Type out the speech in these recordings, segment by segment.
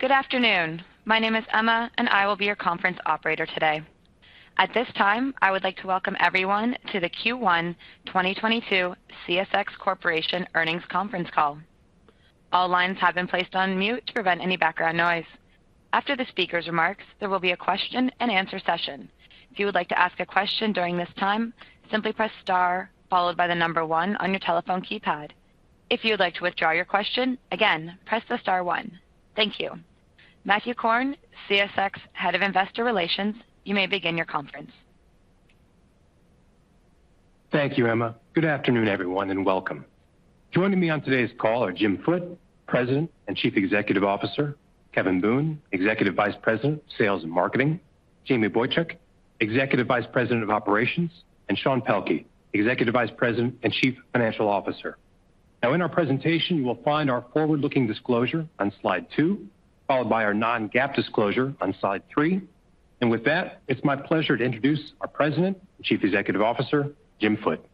Good afternoon. My name is Emma, and I will be your conference operator today. At this time, I would like to welcome everyone to the Q1 2022 CSX Corporation Earnings Conference Call. All lines have been placed on mute to prevent any background noise. After the speaker's remarks, there will be a question-and-answer session. If you would like to ask a question during this time, simply press star followed by the number one on your telephone keypad. If you would like to withdraw your question, again, press the star one. Thank you. Matthew Korn, CSX, Head of Investor Relations, you may begin your conference. Thank you, Emma. Good afternoon, everyone, and welcome. Joining me on today's call are Jim Foote, President and Chief Executive Officer, Kevin Boone, Executive Vice President, Sales and Marketing, Jamie Boychuk, Executive Vice President of Operations, and Sean Pelkey, Executive Vice President and Chief Financial Officer. Now, in our presentation, you will find our forward-looking disclosure on slide two, followed by our non-GAAP disclosure on slide three. With that, it's my pleasure to introduce our President and Chief Executive Officer, Jim Foote.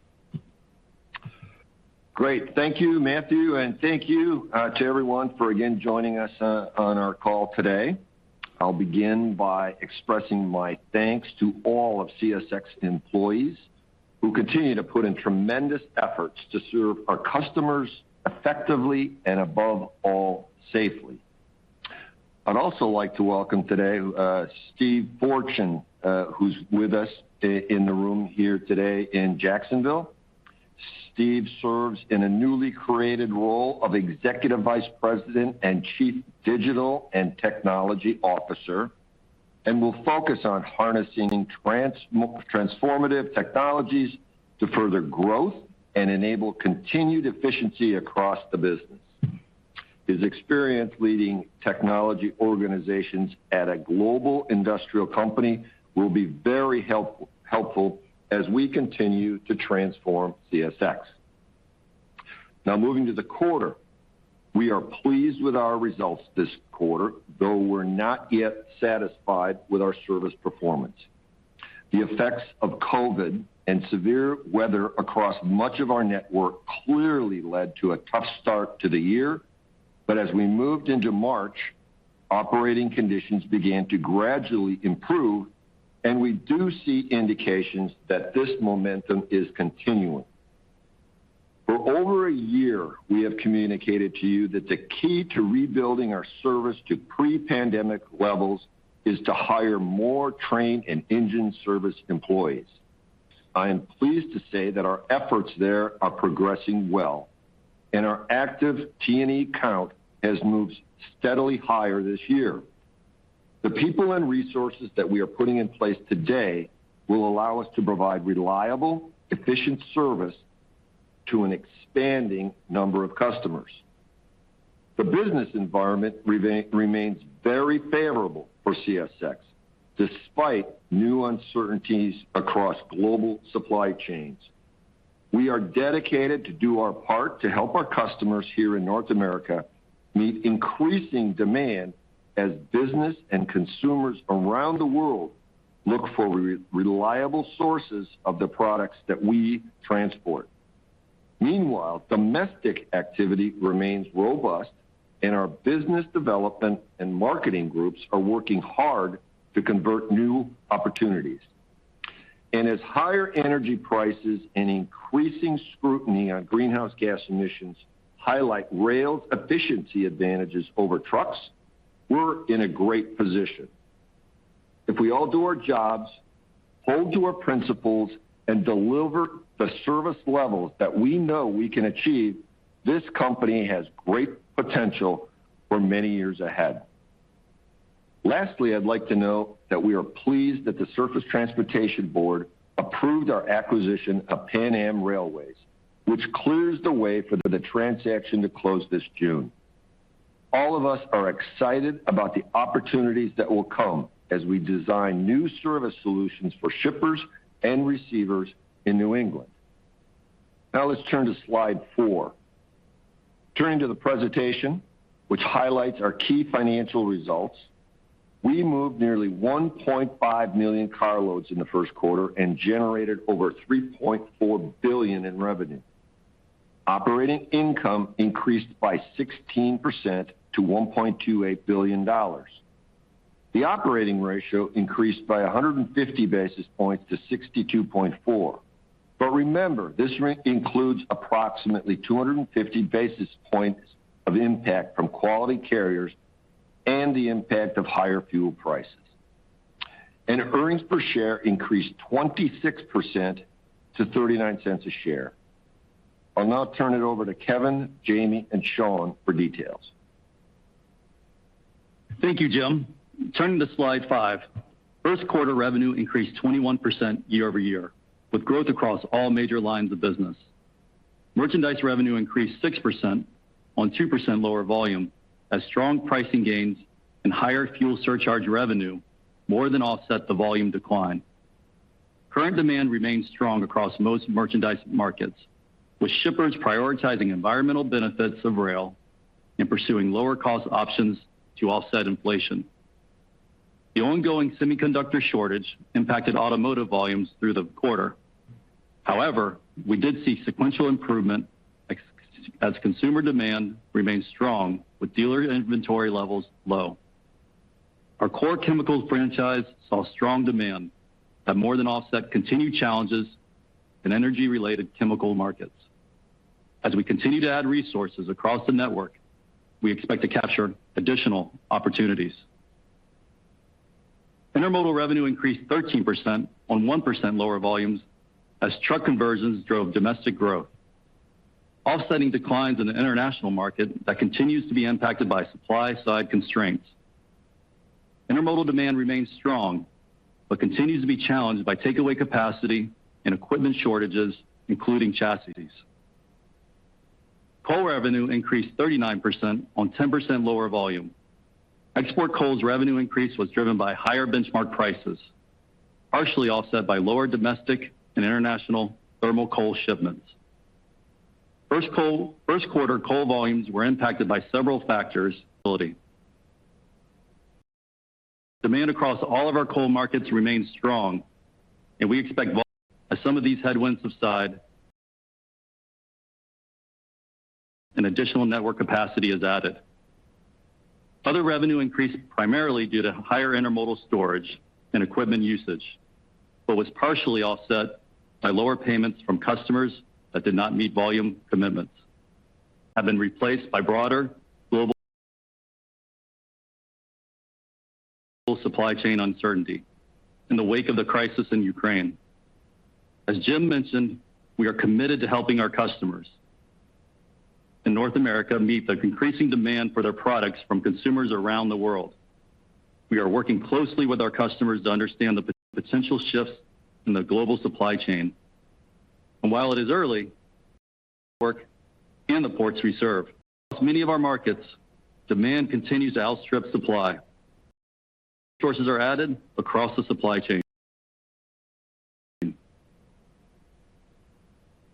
Great. Thank you, Matthew, and thank you to everyone for again joining us on our call today. I'll begin by expressing my thanks to all of CSX employees who continue to put in tremendous efforts to serve our customers effectively and above all, safely. I'd also like to welcome today Steve Fortune, who's with us in the room here today in Jacksonville. Steve serves in a newly created role of Executive Vice President and Chief Digital and Technology Officer, and will focus on harnessing transformative technologies to further growth and enable continued efficiency across the business. His experience leading technology organizations at a global industrial company will be very helpful as we continue to transform CSX. Now moving to the quarter. We are pleased with our results this quarter, though we're not yet satisfied with our service performance. The effects of COVID and severe weather across much of our network clearly led to a tough start to the year. As we moved into March, operating conditions began to gradually improve, and we do see indications that this momentum is continuing. For over a year, we have communicated to you that the key to rebuilding our service to pre-pandemic levels is to hire more trained and engine service employees. I am pleased to say that our efforts there are progressing well, and our active T&E count has moved steadily higher this year. The people and resources that we are putting in place today will allow us to provide reliable, efficient service to an expanding number of customers. The business environment remains very favorable for CSX, despite new uncertainties across global supply chains. We are dedicated to do our part to help our customers here in North America meet increasing demand as business and consumers around the world look for reliable sources of the products that we transport. Meanwhile, domestic activity remains robust, and our business development and marketing groups are working hard to convert new opportunities. As higher energy prices and increasing scrutiny on greenhouse gas emissions highlight rail's efficiency advantages over trucks, we're in a great position. If we all do our jobs, hold to our principles, and deliver the service levels that we know we can achieve, this company has great potential for many years ahead. Lastly, I'd like to note that we are pleased that the Surface Transportation Board approved our acquisition of Pan Am Railways, which clears the way for the transaction to close this June. All of us are excited about the opportunities that will come as we design new service solutions for shippers and receivers in New England. Now let's turn to slide four. Turning to the presentation, which highlights our key financial results, we moved nearly 1.5 million carloads in the first quarter and generated over $3.4 billion in revenue. Operating income increased by 16% to $1.28 billion. The operating ratio increased by 150 basis points to 62.4. Remember, this rate includes approximately 250 basis points of impact from Quality Carriers and the impact of higher fuel prices. And earnings per share increased 26% to $0.39 a share. I'll now turn it over to Kevin, Jamie, and Sean for details. Thank you, Jim. Turning to slide five. First quarter revenue increased 21% year-over-year, with growth across all major lines of business. Merchandise revenue increased 6% on 2% lower volume as strong pricing gains and higher fuel surcharge revenue more than offset the volume decline. Current demand remains strong across most merchandise markets, with shippers prioritizing environmental benefits of rail and pursuing lower cost options to offset inflation. The ongoing semiconductor shortage impacted automotive volumes through the quarter. However, we did see sequential improvement ex autos, as consumer demand remains strong with dealer inventory levels low. Our core chemicals franchise saw strong demand that more than offset continued challenges in energy-related chemical markets. As we continue to add resources across the network, we expect to capture additional opportunities. Intermodal revenue increased 13% on 1% lower volumes as truck conversions drove domestic growth, offsetting declines in the international market that continues to be impacted by supply-side constraints. Intermodal demand remains strong, but continues to be challenged by takeaway capacity and equipment shortages, including chassis. Coal revenue increased 39% on 10% lower volume. Export coal's revenue increase was driven by higher benchmark prices, partially offset by lower domestic and international thermal coal shipments. First quarter coal volumes were impacted by several factors. Demand across all of our coal markets remains strong, and we expect as some of these headwinds subside and additional network capacity is added. Other revenue increased primarily due to higher intermodal storage and equipment usage, but was partially offset by lower payments from customers that did not meet volume commitments, which have been replaced by broader global supply chain uncertainty in the wake of the crisis in Ukraine. As Jim mentioned, we are committed to helping our customers in North America meet the increasing demand for their products from consumers around the world. We are working closely with our customers to understand the potential shifts in the global supply chain. In many of our markets, demand continues to outstrip supply as resources are added across the supply chain.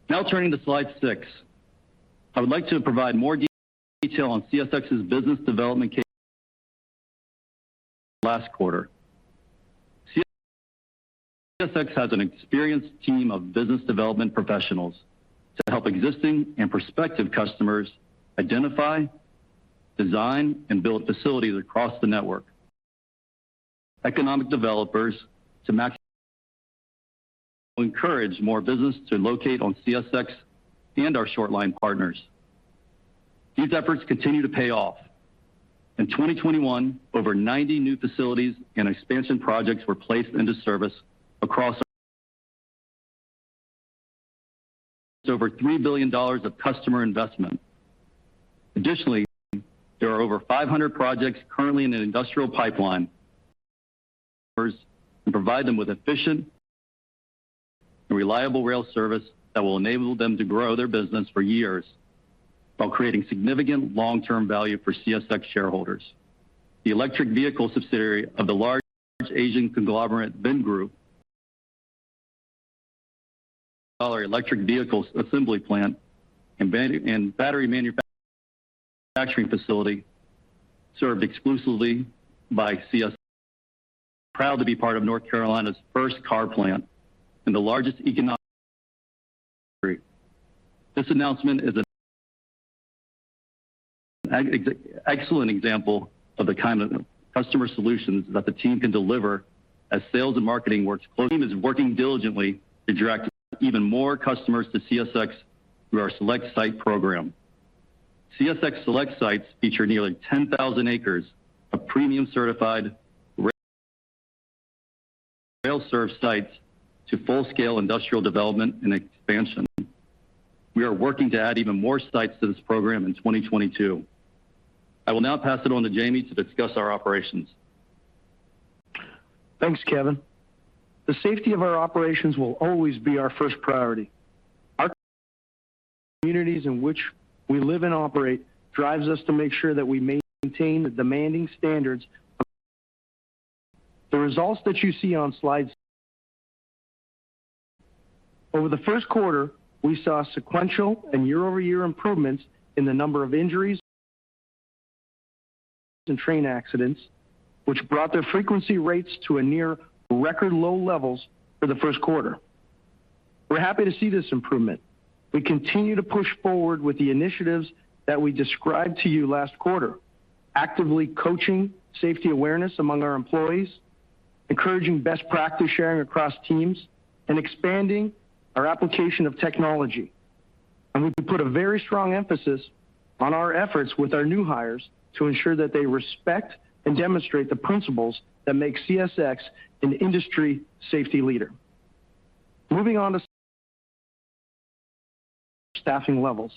Now turning to slide six. I would like to provide more detail on CSX's business development last quarter. CSX has an experienced team of business development professionals to help existing and prospective customers identify, design, and build facilities across the network. Economic developers to encourage more business to locate on CSX and our short-line partners. These efforts continue to pay off. In 2021, over 90 new facilities and expansion projects were placed into service across over $3 billion of customer investment. Additionally, there are over 500 projects currently in an industrial pipeline, and we provide them with efficient and reliable rail service that will enable them to grow their business for years while creating significant long-term value for CSX shareholders. The electric vehicle subsidiary of the large Asian conglomerate, Vingroup, electric vehicle assembly plant and battery manufacturing facility served exclusively by CSX. Proud to be part of North Carolina's first car plant and the largest economic. This announcement is an excellent example of the kind of customer solutions that the team can deliver as sales and marketing is working diligently to direct even more customers to CSX through our Select Site program. CSX Select Sites feature nearly 10,000 acres of premium certified rail-served sites to full-scale industrial development and expansion. We are working to add even more sites to this program in 2022. I will now pass it on to Jamie to discuss our operations. Thanks, Kevin. The safety of our operations will always be our first priority. Our communities in which we live and operate drives us to make sure that we maintain the demanding standards. The results that you see on slide over the first quarter, we saw sequential and year-over-year improvements in the number of injuries train accidents, which brought their frequency rates to a near record low levels for the first quarter. We're happy to see this improvement. We continue to push forward with the initiatives that we described to you last quarter, actively coaching safety awareness among our employees, encouraging best practice sharing across teams, and expanding our application of technology. We put a very strong emphasis on our efforts with our new hires to ensure that they respect and demonstrate the principles that make CSX an industry safety leader. Moving on to staffing levels.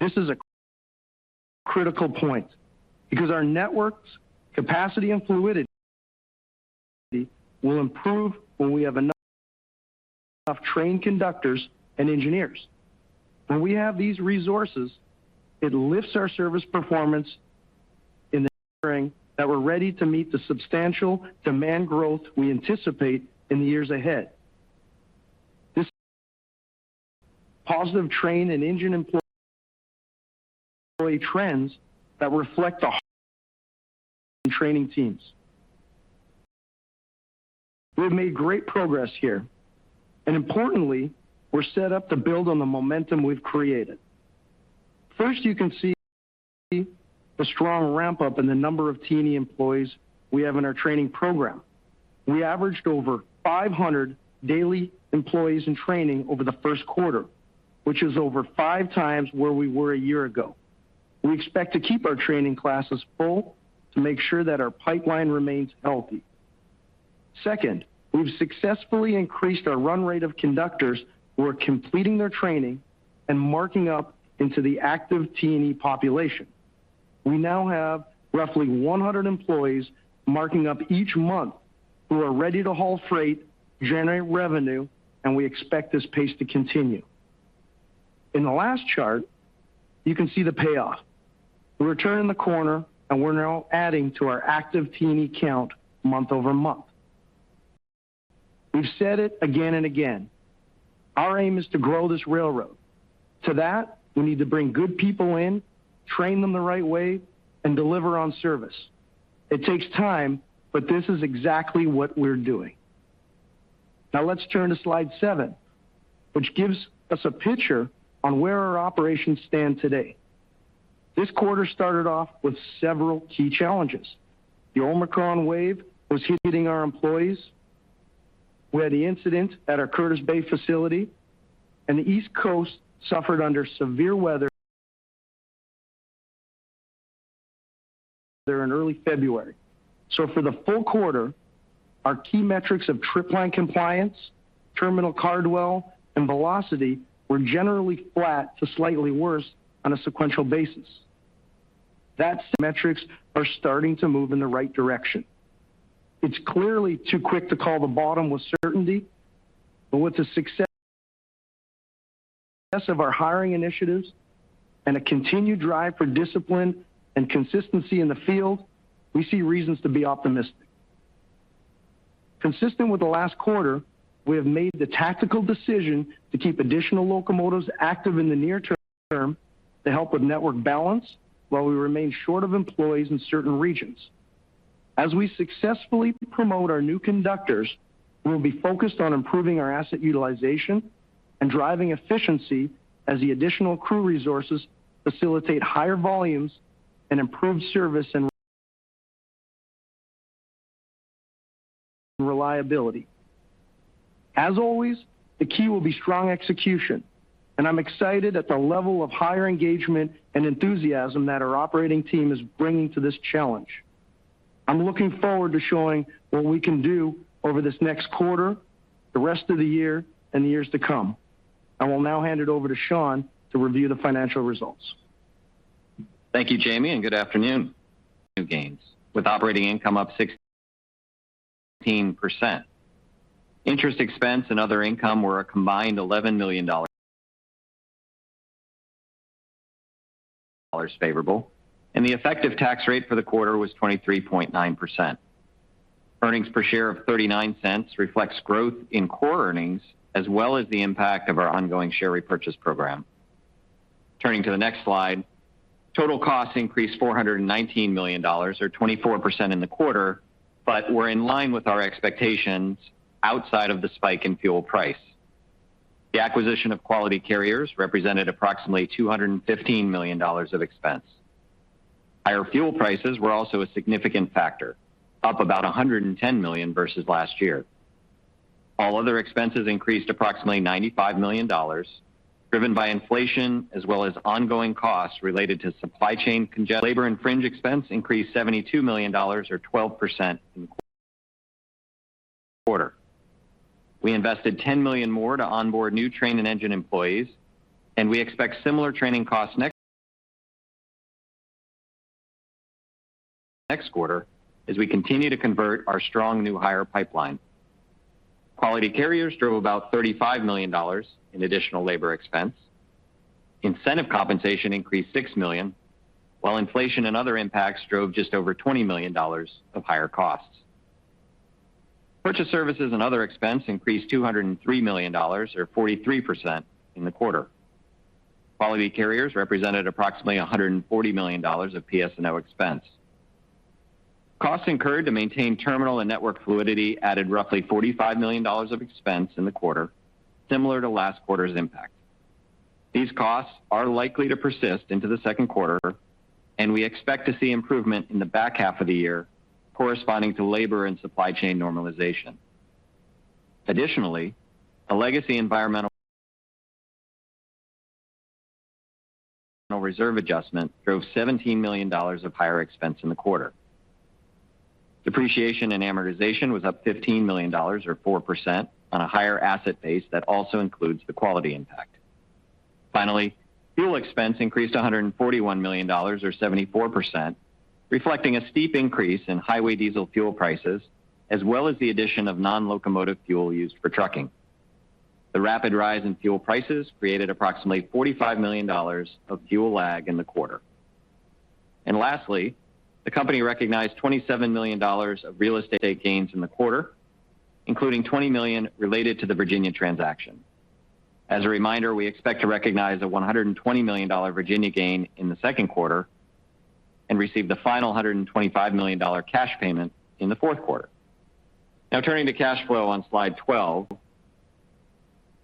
This is a critical point because our network's capacity and fluidity will improve when we have enough trained conductors and engineers. When we have these resources, it lifts our service performance and ensuring that we're ready to meet the substantial demand growth we anticipate in the years ahead. This positive train and engine employee early trends that reflect the training teams. We've made great progress here, and importantly, we're set up to build on the momentum we've created. First, you can see the strong ramp-up in the number of TE&E employees we have in our training program. We averaged over 500 daily employees in training over the first quarter, which is over 5 times where we were a year ago. We expect to keep our training classes full to make sure that our pipeline remains healthy. Second, we've successfully increased our run rate of conductors who are completing their training and marking up into the active TE&E population. We now have roughly 100 employees marking up each month who are ready to haul freight, generate revenue, and we expect this pace to continue. In the last chart, you can see the payoff. We're turning the corner, and we're now adding to our active TE&E count month-over-month. We've said it again and again. Our aim is to grow this railroad. For that, we need to bring good people in, train them the right way, and deliver on service. It takes time, but this is exactly what we're doing. Now let's turn to slide seven, which gives us a picture on where our operations stand today. This quarter started off with several key challenges. The Omicron wave was hitting our employees. We had the incident at our Curtis Bay facility, and the East Coast suffered under severe weather there in early February. For the full quarter, our key metrics of trip plan compliance, terminal dwell, and velocity were generally flat to slightly worse on a sequential basis. Those metrics are starting to move in the right direction. It's clearly too quick to call the bottom with certainty, but with the success of our hiring initiatives and a continued drive for discipline and consistency in the field, we see reasons to be optimistic. Consistent with the last quarter, we have made the tactical decision to keep additional locomotives active in the near term to help with network balance while we remain short of employees in certain regions. As we successfully promote our new conductors, we'll be focused on improving our asset utilization and driving efficiency as the additional crew resources facilitate higher volumes and improve service and reliability. As always, the key will be strong execution, and I'm excited at the level of higher engagement and enthusiasm that our operating team is bringing to this challenge. I'm looking forward to showing what we can do over this next quarter, the rest of the year, and the years to come. I will now hand it over to Sean to review the financial results. Thank you, Jamie, and good afternoon. Gains, with operating income up 6%. Interest expense and other income were a combined $11 million favorable, and the effective tax rate for the quarter was 23.9%. Earnings per share of $0.39 reflects growth in core earnings as well as the impact of our ongoing share repurchase program. Turning to the next slide, total costs increased $419 million or 24% in the quarter, but were in line with our expectations outside of the spike in fuel price. The acquisition of Quality Carriers represented approximately $215 million of expense. Higher fuel prices were also a significant factor, up about $110 million versus last year. All other expenses increased approximately $95 million, driven by inflation as well as ongoing costs related to supply chain congestion. Labor and fringe expense increased $72 million or 12% in the quarter. We invested $10 million more to onboard new train and engine employees, and we expect similar training costs next quarter as we continue to convert our strong new hire pipeline. Quality Carriers drove about $35 million in additional labor expense. Incentive compensation increased $6 million, while inflation and other impacts drove just over $20 million of higher costs. Purchase services and other expense increased $203 million or 43% in the quarter. Quality Carriers represented approximately $140 million of PS&O expense. Costs incurred to maintain terminal and network fluidity added roughly $45 million of expense in the quarter, similar to last quarter's impact. These costs are likely to persist into the second quarter, and we expect to see improvement in the back half of the year, corresponding to labor and supply chain normalization. Additionally, a legacy environmental reserve adjustment drove $17 million of higher expense in the quarter. Depreciation and amortization was up $15 million or 4% on a higher asset base that also includes the Quality impact. Finally, fuel expense increased $141 million or 74%, reflecting a steep increase in highway diesel fuel prices, as well as the addition of non-locomotive fuel used for trucking. The rapid rise in fuel prices created approximately $45 million of fuel lag in the quarter. And lastly, the company recognized $27 million of real estate gains in the quarter, including $20 million related to the Virginia transaction. As a reminder, we expect to recognize a $120 million Virginia gain in the second quarter and receive the final $125 million cash payment in the fourth quarter. Now, turning to cash flow on slide 12.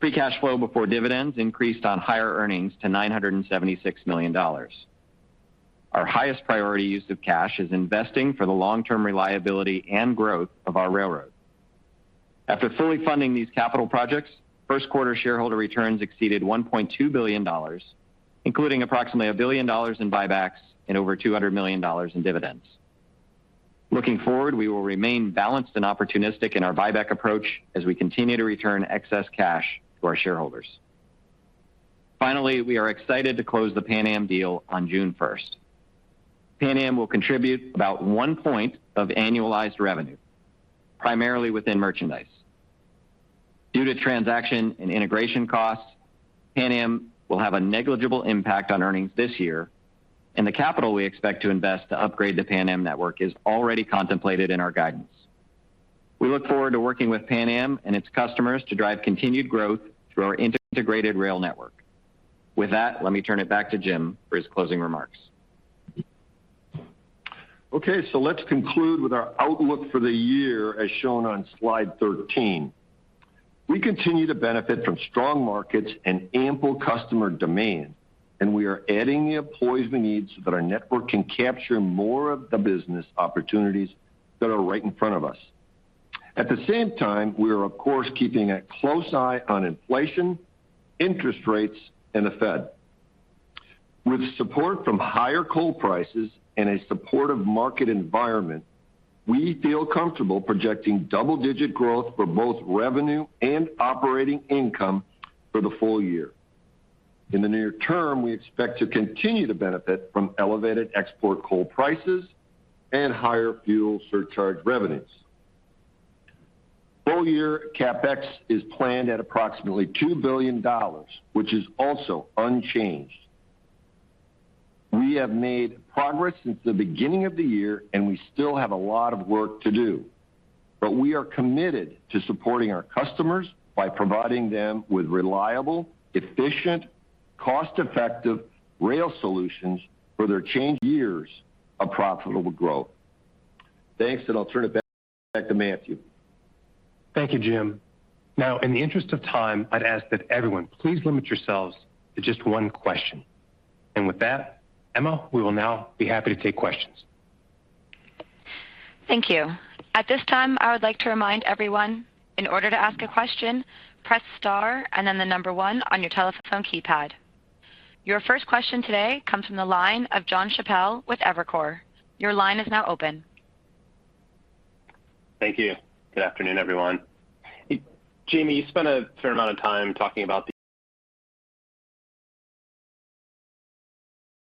Free cash flow before dividends increased on higher earnings to $976 million. Our highest priority use of cash is investing for the long-term reliability and growth of our railroad. After fully funding these capital projects, first quarter shareholder returns exceeded $1.2 billion, including approximately $1 billion in buybacks and over $200 million in dividends. Looking forward, we will remain balanced and opportunistic in our buyback approach as we continue to return excess cash to our shareholders. Finally, we are excited to close the Pan Am deal on June 1. Pan Am will contribute about 1 point of annualized revenue, primarily within merchandise. Due to transaction and integration costs, Pan Am will have a negligible impact on earnings this year, and the capital we expect to invest to upgrade the Pan Am network is already contemplated in our guidance. We look forward to working with Pan Am and its customers to drive continued growth through our integrated rail network. With that, let me turn it back to Jim for his closing remarks. Okay, let's conclude with our outlook for the year as shown on slide 13. We continue to benefit from strong markets and ample customer demand, and we are adding the employees we need so that our network can capture more of the business opportunities that are right in front of us. At the same time, we are of course keeping a close eye on inflation, interest rates, and the Fed. With support from higher coal prices and a supportive market environment, we feel comfortable projecting double-digit growth for both revenue and operating income for the full year. In the near term, we expect to continue to benefit from elevated export coal prices and higher fuel surcharge revenues. Full year CapEx is planned at approximately $2 billion, which is also unchanged. We have made progress since the beginning of the year, and we still have a lot of work to do. But we are committed to supporting our customers by providing them with reliable, efficient, cost-effective rail solutions for their changing years of profitable growth. Thanks, and I'll turn it back to Matthew. Thank you, Jim. Now, in the interest of time, I'd ask that everyone please limit yourselves to just one question. With that, Emma, we will now be happy to take questions. Thank you. At this time, I would like to remind everyone, in order to ask a question, press star and then the number one on your telephone keypad. Your first question today comes from the line of Jon Chappell with Evercore. Your line is now open. Thank you. Good afternoon, everyone. Jamie, you spent a fair amount of time talking about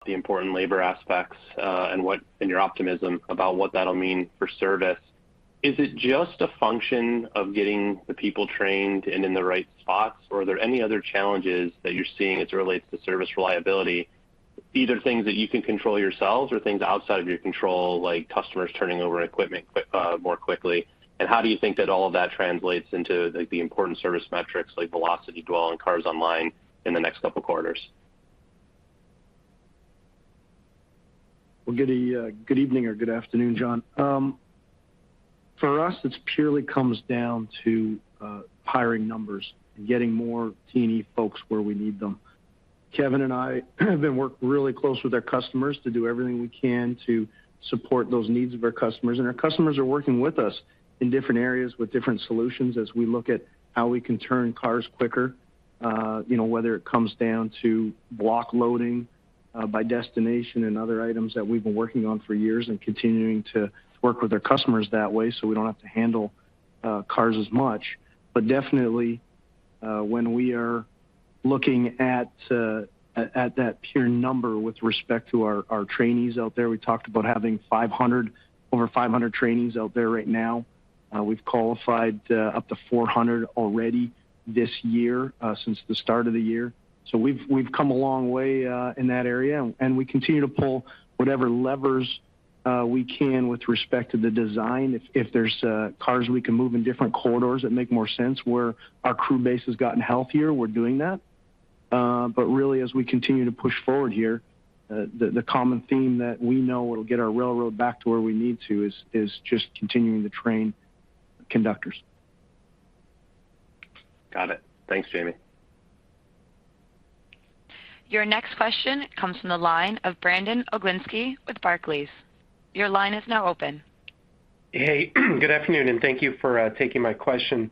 the important labor aspects and your optimism about what that'll mean for service. Is it just a function of getting the people trained and in the right spots? Or are there any other challenges that you're seeing as it relates to service reliability? These are things that you can control yourselves or things outside of your control, like customers turning over equipment more quickly. How do you think that all of that translates into the important service metrics like velocity, dwell, and cars online in the next couple of quarters? Well, good evening or good afternoon, Jon. For us, it's purely comes down to hiring numbers and getting more trainee folks where we need them. Kevin and I have been working really close with our customers to do everything we can to support those needs of our customers. Our customers are working with us in different areas with different solutions as we look at how we can turn cars quicker, you know, whether it comes down to block loading by destination and other items that we've been working on for years and continuing to work with our customers that way, so we don't have to handle cars as much. Definitely, when we are looking at that pure number with respect to our trainees out there, we talked about having over 500 trainees out there right now. We've qualified up to 400 already this year, since the start of the year. We've come a long way in that area, and we continue to pull whatever levers we can with respect to the design. If there's cars we can move in different corridors that make more sense where our crew base has gotten healthier, we're doing that. But really, as we continue to push forward here, the common theme that we know will get our railroad back to where we need to is just continuing to train conductors. Got it. Thanks, Jamie. Your next question comes from the line of Brandon Oglenski with Barclays. Your line is now open. Hey. Good afternoon, and thank you for taking my question.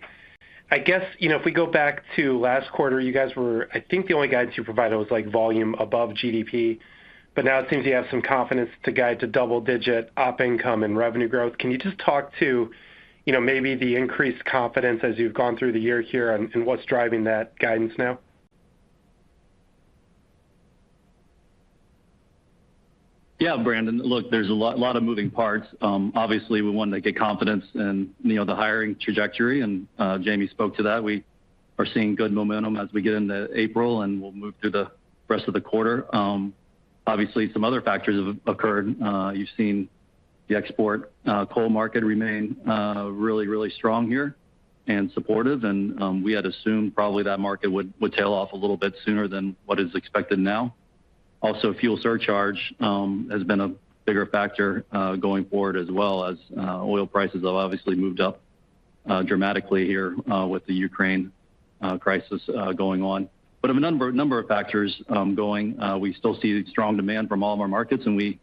I guess, you know, if we go back to last quarter, you guys were, I think the only guidance you provided was like volume above GDP. But now it seems you have some confidence to guide to double-digit op income and revenue growth. Can you just talk to, you know, maybe the increased confidence as you've gone through the year here and what's driving that guidance now? Yeah. Brandon, look, there's a lot of moving parts. Obviously we want to get confidence in, you know, the hiring trajectory, and Jamie spoke to that. We We're seeing good momentum as we get into April, and we'll move through the rest of the quarter. Obviously some other factors have occurred. You've seen the export coal market remain really strong here and supportive, and we had assumed probably that market would tail off a little bit sooner than what is expected now. Also, fuel surcharge has been a bigger factor going forward as well as oil prices have obviously moved up dramatically here with the Ukraine crisis going on. A number of factors, we still see strong demand from all of our markets, and we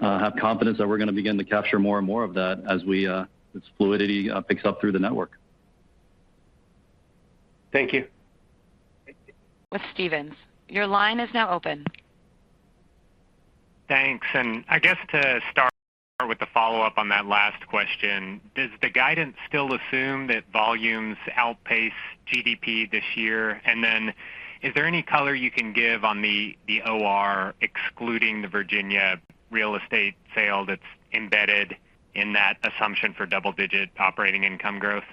have confidence that we're gonna begin to capture more and more of that as fluidity picks up through the network. Thank you. With Stephens. Your line is now open. Thanks. I guess to start with the follow-up on that last question, does the guidance still assume that volumes outpace GDP this year? Then is there any color you can give on the OR excluding the Virginia real estate sale that's embedded in that assumption for double digit operating income growth?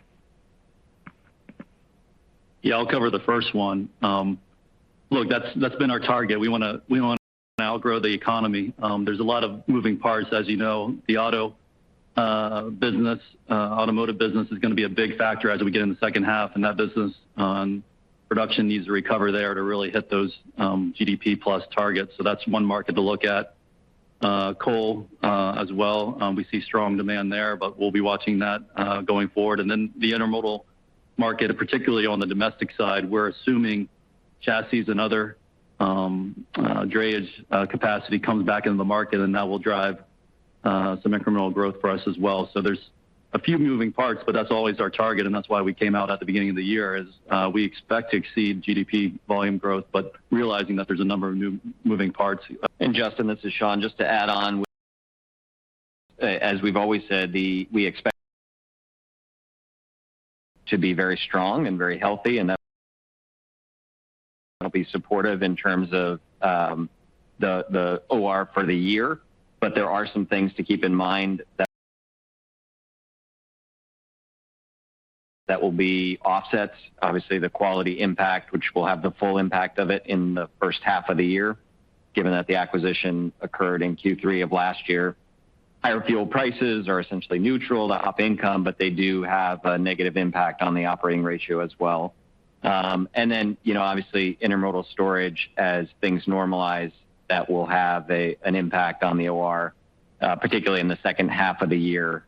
Yeah, I'll cover the first one. Look, that's been our target. We wanna outgrow the economy. There's a lot of moving parts. As you know, the auto business, automotive business is gonna be a big factor as we get in the second half, and that business, production needs to recover there to really hit those GDP plus targets. So that's one market to look at. Coal, as well, we see strong demand there, but we'll be watching that going forward. Then the intermodal market, particularly on the domestic side, we're assuming chassis and other drayage capacity comes back into the market, and that will drive some incremental growth for us as well. So there's a few moving parts, but that's always our target, and that's why we came out at the beginning of the year as we expect to exceed GDP volume growth, but realizing that there's a number of new moving parts. And Justin, this is Sean. Just to add on, as we've always said, we expect to be very strong and very healthy, and that'll be supportive in terms of the OR for the year. But there are some things to keep in mind that will be offsets. Obviously, the Quality impact, which we'll have the full impact of it in the first half of the year, given that the acquisition occurred in Q3 of last year. Higher fuel prices are essentially neutral to op income, but they do have a negative impact on the operating ratio as well. And then, you know, obviously intermodal storage as things normalize, that will have an impact on the OR, particularly in the second half of the year,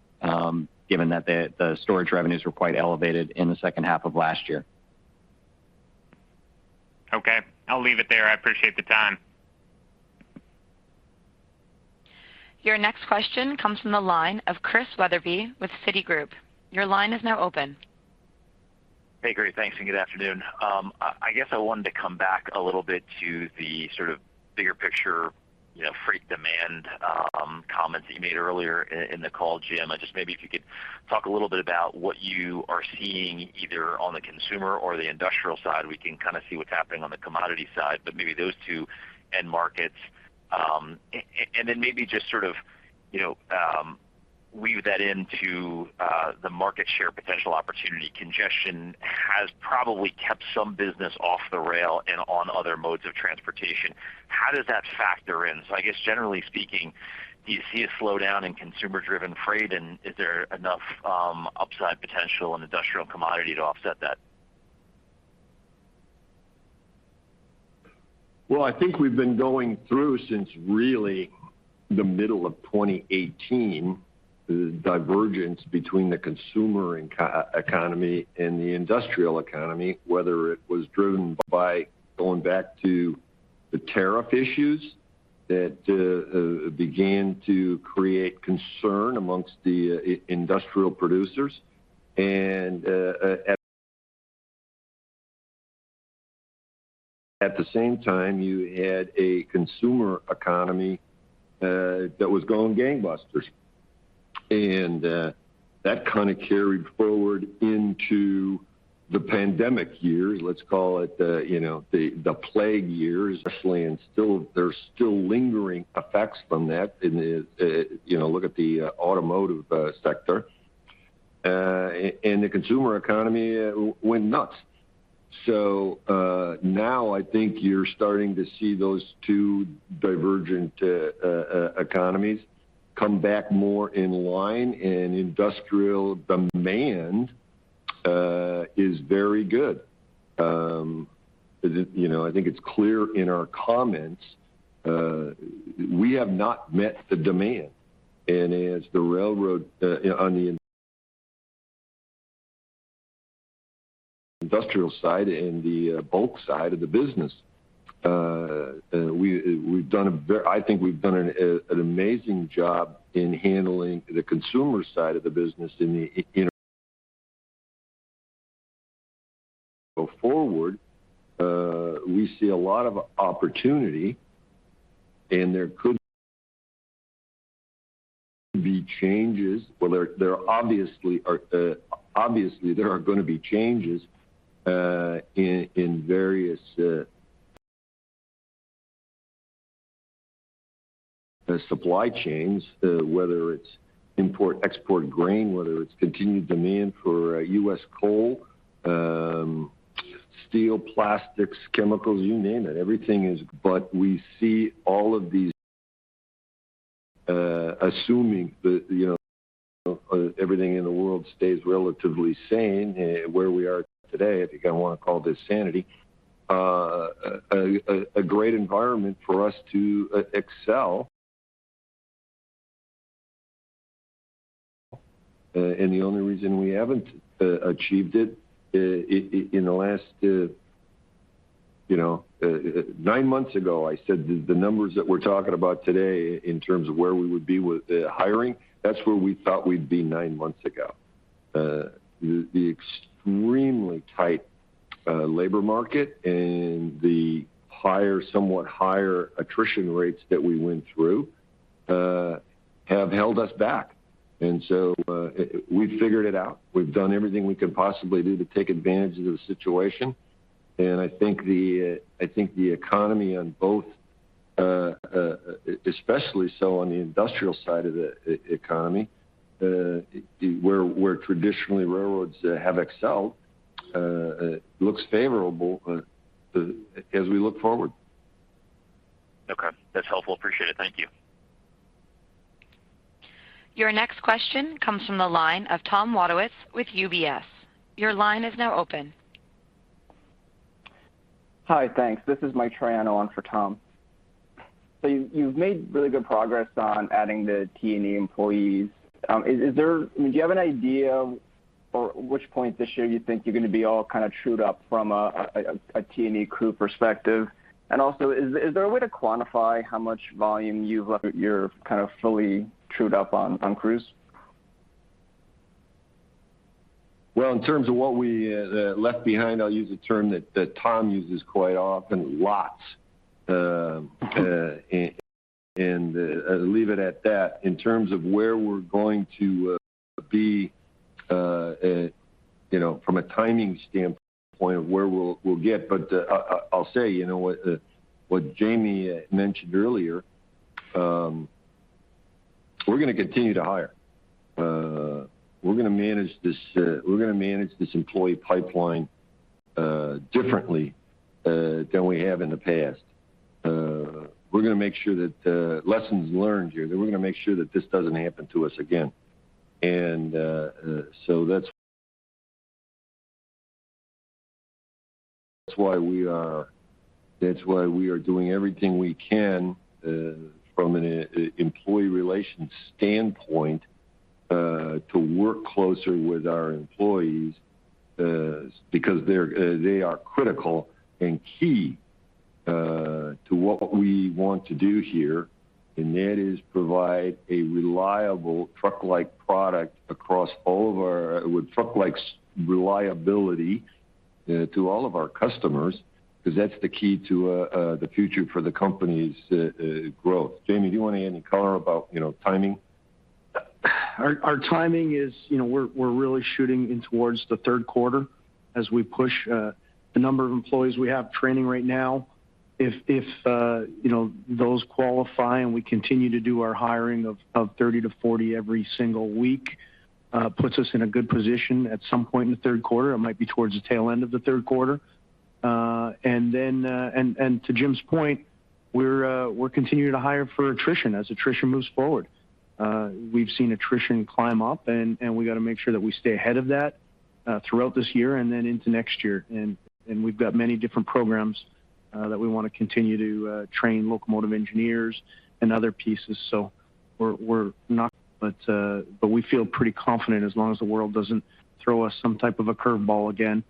given that the storage revenues were quite elevated in the second half of last year. Okay. I'll leave it there. I appreciate the time. Your next question comes from the line of Chris Wetherbee with Citigroup. Your line is now open. Hey, great. Thanks, and good afternoon. I guess I wanted to come back a little bit to the sort of bigger picture, you know, freight demand, comments that you made earlier in the call, Jim. Just maybe if you could talk a little bit about what you are seeing either on the consumer or the industrial side. We can kind of see what's happening on the commodity side, but maybe those two end markets. And then maybe just sort of, you know, weave that into the market share potential opportunity. Congestion has probably kept some business off the rail and on other modes of transportation. How does that factor in? So I guess generally speaking, do you see a slowdown in consumer-driven freight, and is there enough upside potential in industrial commodity to offset that? Well, I think we've been going through since really the middle of 2018, the divergence between the consumer economy and the industrial economy, whether it was driven by going back to the tariff issues that began to create concern amongst the industrial producers. And at the same time, you had a consumer economy that was going gangbusters. And that kind of carried forward into the pandemic years. Let's call it, you know, the plague years, especially, and there are still lingering effects from that in the, you know, look at the automotive sector. The consumer economy went nuts. Now I think you're starting to see those two divergent economies come back more in line, and industrial demand is very good. And you know, I think it's clear in our comments, we have not met the demand. As the railroad on the industrial side and the bulk side of the business, I think we've done an amazing job in handling the consumer side of the business. Going forward, we see a lot of opportunity, and there could be changes. Well, there are obviously gonna be changes in various supply chains, whether it's import export grain, whether it's continued demand for U.S. coal, steel, plastics, chemicals, you name it. We see all of these, assuming that, you know, everything in the world stays relatively sane, where we are today. I think I wanna call this sanity a great environment for us to excel. The only reason we haven't achieved it in the last, you know, nine months ago, I said the numbers that we're talking about today in terms of where we would be with the hiring. That's where we thought we'd be nine months ago. The extremely tight labor market and the somewhat higher attrition rates that we went through have held us back. We figured it out. We've done everything we can possibly do to take advantage of the situation. And I think the economy on both, especially so on the industrial side of the economy, where traditionally railroads have excelled, looks favorable, as we look forward. Okay. That's helpful. Appreciate it. Thank you. Your next question comes from the line of Tom Wadewitz with UBS. Your line is now open. Hi. Thanks. This is Mike Triano on for Tom. You've made really good progress on adding the T&E employees. Do you have an idea of which point this year you think you're gonna be all kind of trued up from a T&E crew perspective? Also, is there a way to quantify how much volume you're kind of fully trued up on crews? Well, in terms of what we left behind, I'll use a term that Tom uses quite often, lots. And I'll leave it at that. In terms of where we're going to be, you know, from a timing standpoint of where we'll get. I'll say, you know what Jamie mentioned earlier, we're gonna continue to hire. We're gonna manage this employee pipeline differently than we have in the past. We're gonna make sure that, lessons learned here, we're gonna make sure that this doesn't happen to us again. That's why we are doing everything we can from an employee relations standpoint to work closer with our employees, because they are critical and key to what we want to do here, and that is provide a reliable truck-like product with truck-like reliability to all of our customers, because that's the key to the future for the company's growth. Jamie, do you want to add any color about, you know, timing? Our timing is, you know, we're really shooting in towards the third quarter as we push the number of employees we have training right now. If, you know, those qualify and we continue to do our hiring of 30-40 every single week, puts us in a good position at some point in the third quarter. It might be towards the tail end of the third quarter. And then to Jim's point, we're continuing to hire for attrition as attrition moves forward. We've seen attrition climb up, and we got to make sure that we stay ahead of that throughout this year and then into next year. And we've got many different programs that we wanna continue to train locomotive engineers and other pieces. We feel pretty confident as long as the world doesn't throw us some type of a curve ball again.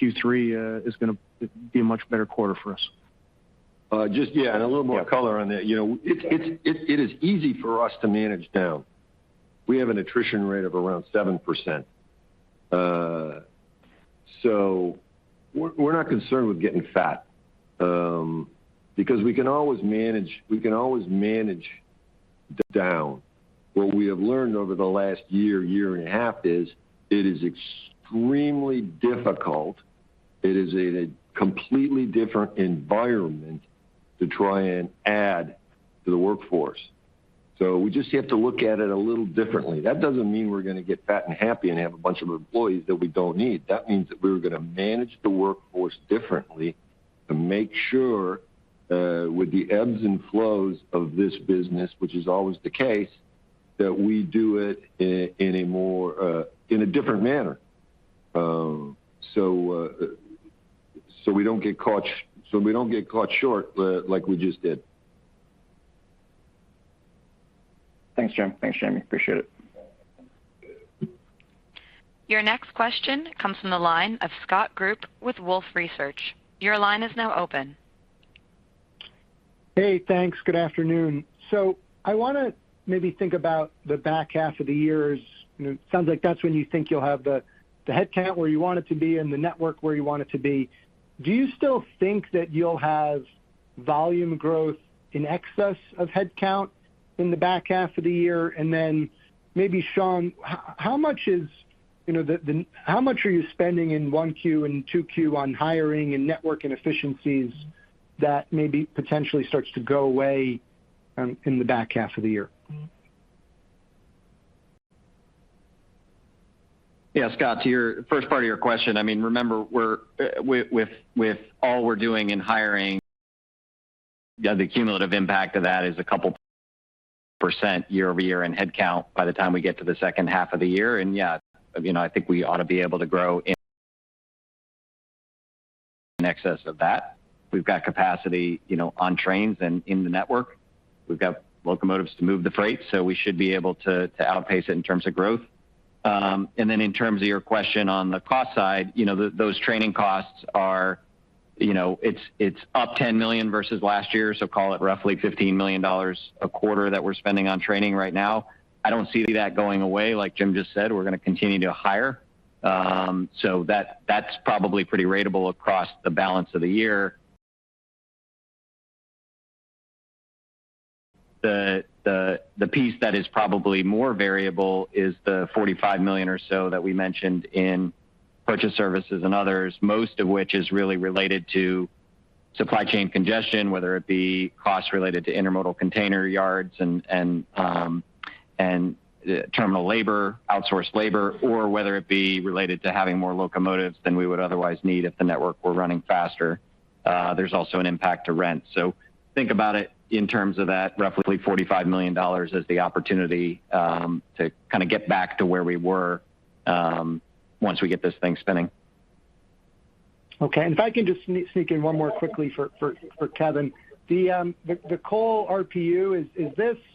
Q3 is gonna be a much better quarter for us. Just, yeah, a little more color on that. You know, it is easy for us to manage down. We have an attrition rate of around 7%. We're not concerned with getting fat, because we can always manage down. What we have learned over the last year and a half is, it is extremely difficult. It is a completely different environment to try and add to the workforce. We just have to look at it a little differently. That doesn't mean we're gonna get fat and happy and have a bunch of employees that we don't need. That means that we're gonna manage the workforce differently to make sure with the ebbs and flows of this business, which is always the case, that we do it in a more in a different manner, so we don't get caught short like we just did. Thanks, Jim. Thanks, Jamie. I appreciate it. Your next question comes from the line of Scott Group with Wolfe Research. Your line is now open. Hey, thanks. Good afternoon. So I wanna maybe think about the back half of the year. It sounds like that's when you think you'll have the headcount where you want it to be and the network where you want it to be. Do you still think that you'll have volume growth in excess of headcount in the back half of the year? Maybe, Sean, how much are you spending in 1Q and 2Q on hiring and network inefficiencies that maybe potentially starts to go away in the back half of the year? Yeah, Scott, to your first part of your question, I mean, remember, we're with all we're doing in hiring, the cumulative impact of that is a couple percent year-over-year in headcount by the time we get to the second half of the year. Yeah, you know, I think we ought to be able to grow in excess of that. We've got capacity, you know, on trains and in the network. We've got locomotives to move the freight, so we should be able to outpace it in terms of growth. Then in terms of your question on the cost side, you know, those training costs are up $10 million versus last year, so call it roughly $15 million a quarter that we're spending on training right now. I don't see that going away. Like Jim just said, we're gonna continue to hire. That's probably pretty ratable across the balance of the year. The piece that is probably more variable is the $45 million or so that we mentioned in purchased services and others, most of which is really related to supply chain congestion, whether it be costs related to intermodal container yards and terminal labor, outsourced labor, or whether it be related to having more locomotives than we would otherwise need if the network were running faster. There's also an impact to rent. Think about it in terms of that roughly $45 million as the opportunity to kind of get back to where we were once we get this thing spinning. Okay. If I can just sneak in one more quickly for Kevin. The coal RPU is this -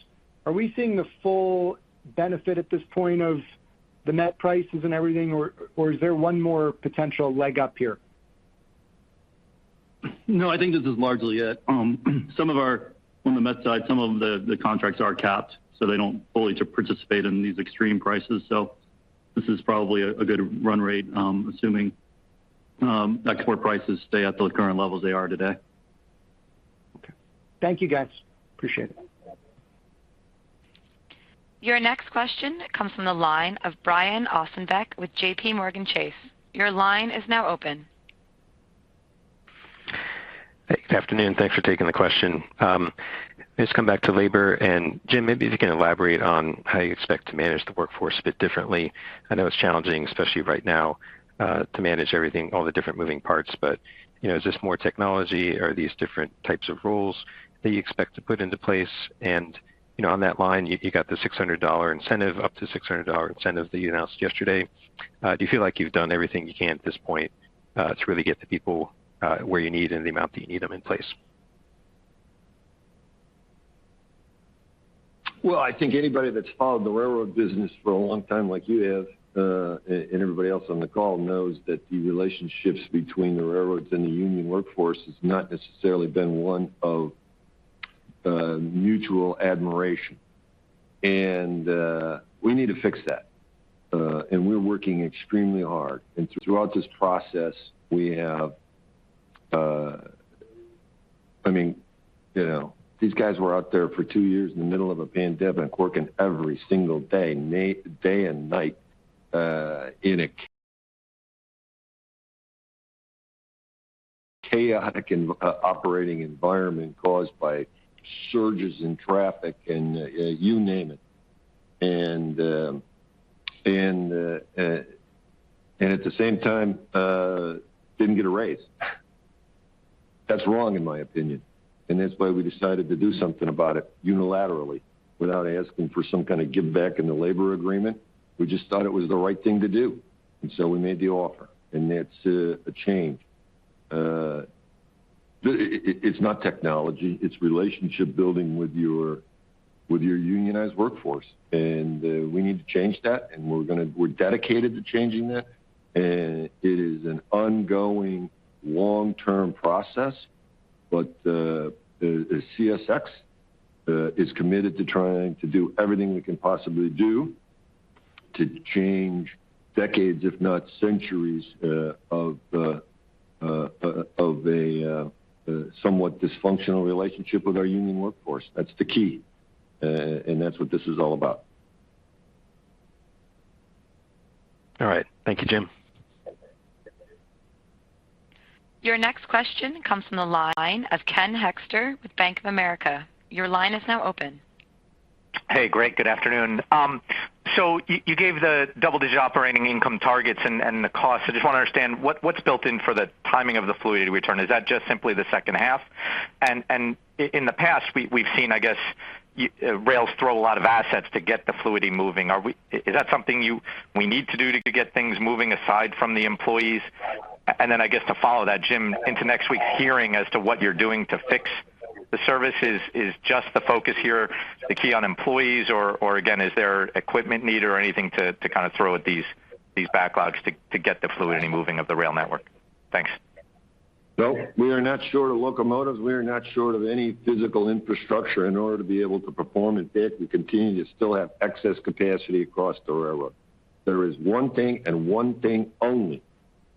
are we seeing the full benefit at this point of the net prices and everything, or is there one more potential leg up here? No, I think this is largely it, some of our — on the met side, some of the contracts are capped, so they don't fully participate in these extreme prices. So this is probably a good run rate, assuming export prices stay at the current levels they are today. Okay. Thank you, guys. Appreciate it. Your next question comes from the line of Brian Ossenbeck with JPMorgan Chase. Your line is now open. Hey, good afternoon. Thanks for taking the question. Just come back to labor. And Jim, maybe if you can elaborate on how you expect to manage the workforce a bit differently. I know it's challenging, especially right now, to manage everything, all the different moving parts. You know, is this more technology? Are these different types of roles that you expect to put into place? You know, on that line, you got the $600 incentive, up to $600 incentive that you announced yesterday. Do you feel like you've done everything you can at this point, to really get the people, where you need and the amount that you need them in place? Well, I think anybody that's followed the railroad business for a long time, like you have, and everybody else on the call, knows that the relationships between the railroads and the union workforce has not necessarily been one of mutual admiration. We need to fix that. We're working extremely hard. Throughout this process, I mean, you know, these guys were out there for two years in the middle of a pandemic, working every single day and night, in a chaotic and operating environment caused by surges in traffic and you name it, and at the same time, didn't get a raise. That's wrong in my opinion, and that's why we decided to do something about it unilaterally without asking for some kind of give back in the labor agreement. We just thought it was the right thing to do, and so we made the offer, and it's a change. It's not technology. It's relationship building with your unionized workforce. We need to change that, and we're dedicated to changing that. It is an ongoing long-term process. But the CSX is committed to trying to do everything we can possibly do to change decades, if not centuries, of a somewhat dysfunctional relationship with our union workforce. That's the key. That's what this is all about. All right. Thank you, Jim. Your next question comes from the line of Ken Hoexter with Bank of America. Your line is now open. Hey, great. Good afternoon. So you gave the double-digit operating income targets and the cost. I just want to understand what's built in for the timing of the fluidity return. Is that just simply the second half? And in the past, we've seen rails throw a lot of assets to get the fluidity moving. Is that something we need to do to get things moving aside from the employees? I guess to follow that, Jim, into next week's hearing as to what you're doing to fix the service, is the focus here key on employees or again, is there equipment need or anything to kind of throw at these backlogs to get the fluidity moving of the rail network. Thanks. No, we are not short of locomotives. We are not short of any physical infrastructure in order to be able to perform. In fact, we continue to still have excess capacity across the railroad. There is one thing and one thing only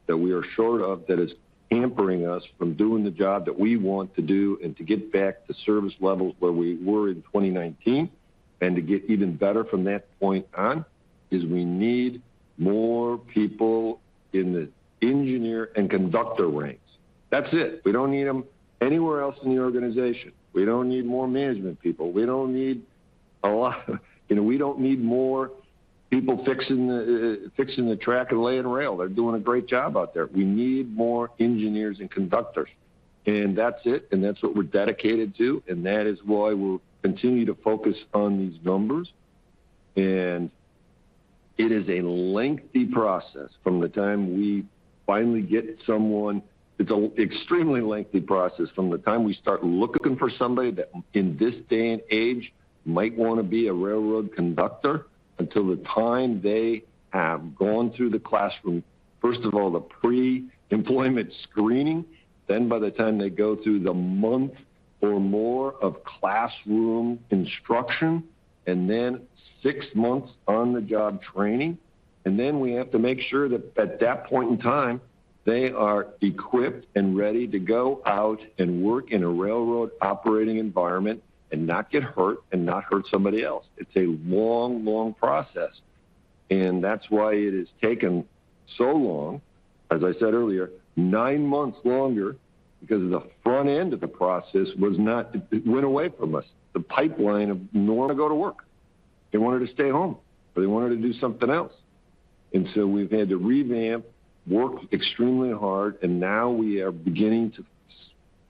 that we are short of, that is hampering us from doing the job that we want to do, and to get back to service levels where we were in 2019 and to get even better from that point on, is we need more people in the engineer and conductor ranks. That's it. We don't need them anywhere else in the organization. We don't need more management people. We don't need a lot of you know, we don't need more people fixing the track and laying rail. They're doing a great job out there. We need more engineers and conductors. That's it, and that's what we're dedicated to, and that is why we'll continue to focus on these numbers. It is a lengthy process from the time we finally get someone. It's an extremely lengthy process from the time we start looking for somebody that, in this day and age, might wanna be a railroad conductor, until the time they have gone through the classroom. First of all, the pre-employment screening, then by the time they go through the month or more of classroom instruction, and then six months on-the-job training. Then we have to make sure that at that point in time, they are equipped and ready to go out and work in a railroad operating environment and not get hurt and not hurt somebody else. It's a long, long process, and that's why it has taken so long, as I said earlier, nine months longer because the front end of the process went away from us. The pipeline of no one to go to work. They wanted to stay home, or they wanted to do something else. And so we've had to revamp, work extremely hard, and now we are beginning to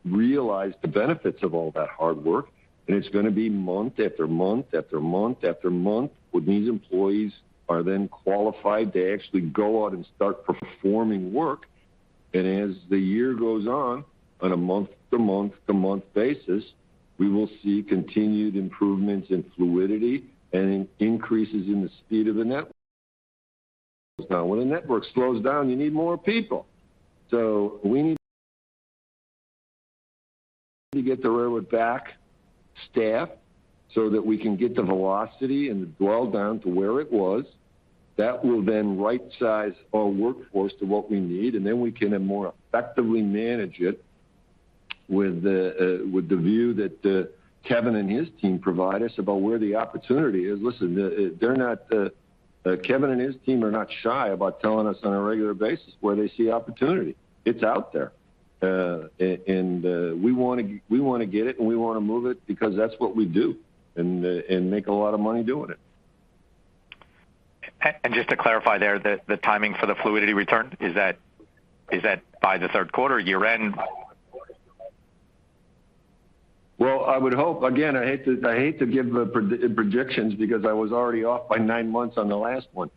realize the benefits of all that hard work. And it's gonna be month after month, after month, after month, with these employees are then qualified to actually go out and start performing work. As the year goes on a month-to-month basis, we will see continued improvements in fluidity and in increases in the speed of the network. Now, when the network slows down, you need more people. We need to get the railroad back staffed so that we can get the velocity and the dwell down to where it was. That will right size our workforce to what we need, and then we can then more effectively manage it with the view that Kevin and his team provide us about where the opportunity is. Listen, Kevin and his team are not shy about telling us on a regular basis where they see opportunity. It's out there, and we wanna get it and we wanna move it because that's what we do and make a lot of money doing it. Just to clarify there, the timing for the fluidity return, is that by the third quarter, year-end? Well, I would hope. Again, I hate to give the projections because I was already off by nine months on the last one.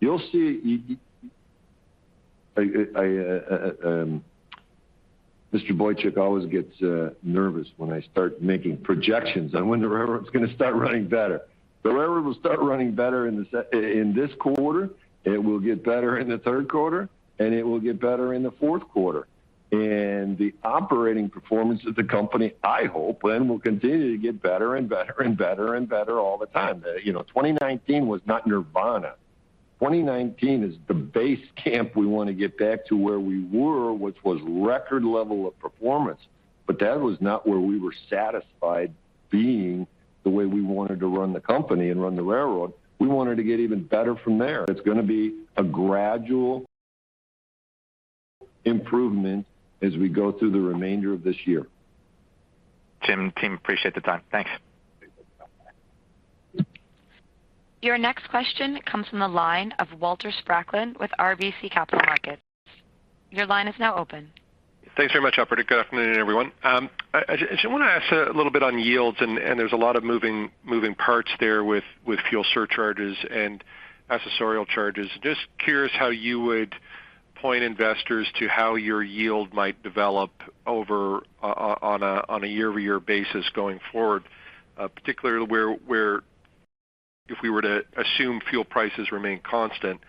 You'll see. Mr. Boychuk always gets nervous when I start making projections on when the railroad's gonna start running better. The railroad will start running better in this quarter, it will get better in the third quarter, and it will get better in the fourth quarter. The operating performance of the company, I hope, then will continue to get better and better and better and better all the time. You know, 2019 was not nirvana. 2019 is the base camp we wanna get back to where we were, which was record level of performance. That was not where we were satisfied being the way we wanted to run the company and run the railroad. We wanted to get even better from there. It's gonna be a gradual improvement as we go through the remainder of this year. Jim, team, I appreciate the time. Thanks. Your next question comes from the line of Walter Spracklin with RBC Capital Markets. Your line is now open. Thanks very much, operator. Good afternoon, everyone. I just wanna ask a little bit on yields, and there's a lot of moving parts there with fuel surcharges and accessorial charges. Just curious how you would point investors to how your yield might develop over on a year-over-year basis going forward, particularly if we were to assume fuel prices remain constant.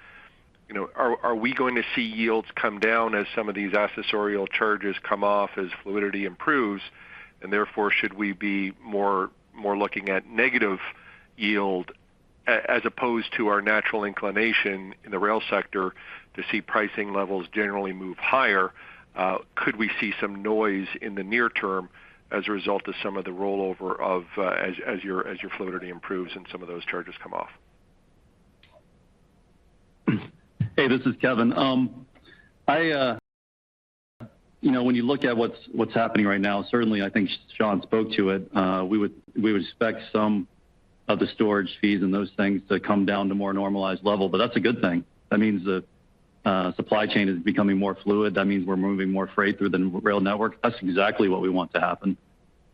You know, are we going to see yields come down as some of these accessorial charges come off as fluidity improves? And therefore, should we be more looking at negative yield as opposed to our natural inclination in the rail sector to see pricing levels generally move higher? Could we see some noise in the near term as a result of some of the rollover as your liquidity improves and some of those charges come off? Hey, this is Kevin. You know, when you look at what's happening right now, certainly I think Sean spoke to it. We would expect some of the storage fees and those things to come down to more normalized level, but that's a good thing. That means the supply chain is becoming more fluid. That means we're moving more freight through the rail network. That's exactly what we want to happen.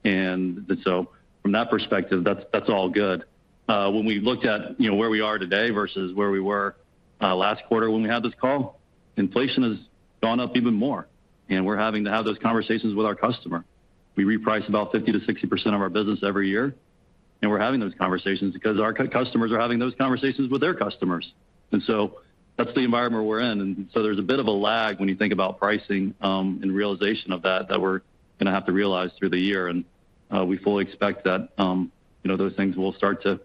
From that perspective, that's all good. When we looked at, you know, where we are today versus where we were last quarter when we had this call, inflation has gone up even more and we're having to have those conversations with our customer. We reprice about 50%-60% of our business every year, and we're having those conversations because our customers are having those conversations with their customers. That's the environment. There's a bit of a lag when you think about pricing, and realization of that we're gonna have to realize through the year. We fully expect that, you know, those things will start to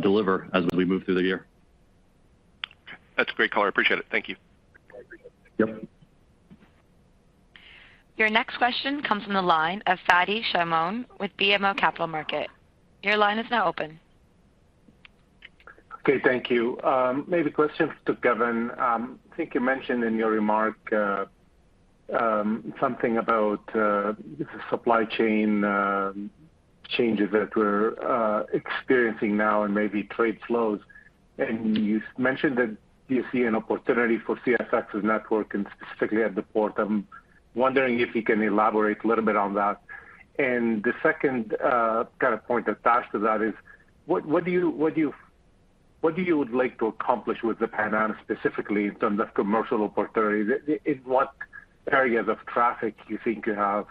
deliver as we move through the year. That's a great call. I appreciate it. Thank you. Yep. Your next question comes from the line of Fadi Chamoun with BMO Capital Markets. Your line is now open. Okay, thank you. Maybe questions to Kevin. I think you mentioned in your remark something about the supply chain changes that we're experiencing now and maybe trade flows. You mentioned that you see an opportunity for CSX's network and specifically at the port. I'm wondering if you can elaborate a little bit on that. And the second kind of point attached to that is what would you like to accomplish with the Pan Am specifically in terms of commercial opportunities. In what areas of traffic you think you have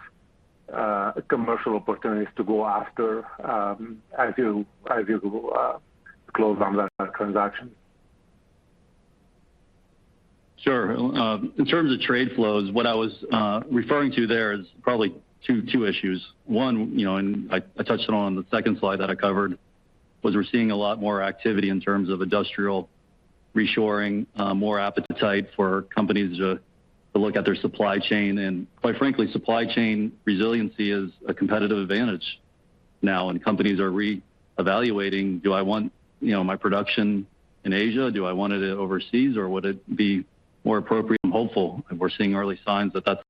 commercial opportunities to go after as you close on that transaction? Sure. In terms of trade flows, what I was referring to there is probably two issues. One, and I touched on the second slide that I covered, was we're seeing a lot more activity in terms of industrial reshoring, more appetite for companies to look at their supply chain. And quite frankly, supply chain resiliency is a competitive advantage now, and companies are reevaluating, "Do I want, you know, my production in Asia? Do I want it overseas or would it be more appropriate?" I'm hopeful, and we're seeing early signs that that's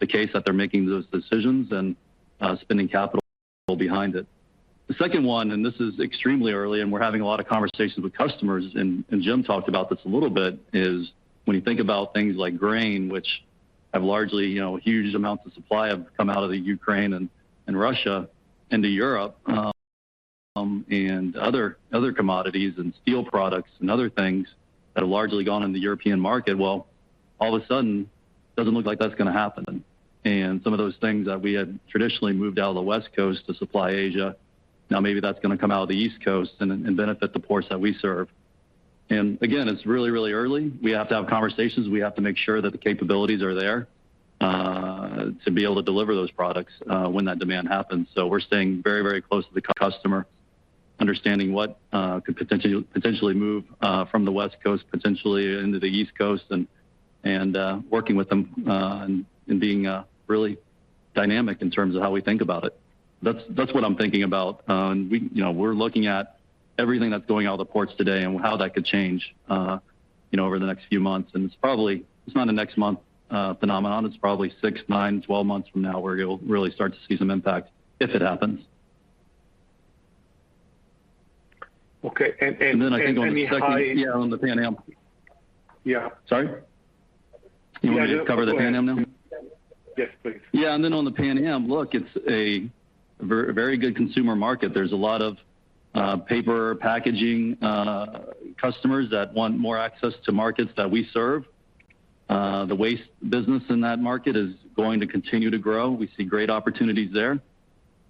the case that they're making those decisions and spending capital behind it. The second one, and this is extremely early and we're having a lot of conversations with customers, and Jim talked about this a little bit, is when you think about things like grain, which have largely, you know, huge amounts of supply have come out of the Ukraine and Russia into Europe, and other commodities and steel products and other things that have largely gone in the European market. Well, all of a sudden, it doesn't look like that's gonna happen. Some of those things that we had traditionally moved out of the West Coast to supply Asia, now maybe that's gonna come out of the East Coast and benefit the ports that we serve. Again, it's really early. We have to have conversations. We have to make sure that the capabilities are there to be able to deliver those products when that demand happens. We're staying very, very close to the customer, understanding what could potentially move from the West Coast potentially into the East Coast and working with them and being really dynamic in terms of how we think about it. That's what I'm thinking about. You know, we're looking at everything that's going out of the ports today and how that could change, you know, over the next few months. It's not a next month phenomenon. It's probably six, nine, 12 months from now where you'll really start to see some impact if it happens. Okay. I think on the second. Any high- Yeah, on the Pan Am. Yeah. Sorry? You want me to cover the Pan Am now? Yes, please. Yeah. Then on the Pan Am, look, it's a very good consumer market. There's a lot of paper packaging customers that want more access to markets that we serve. The waste business in that market is going to continue to grow. We see great opportunities there.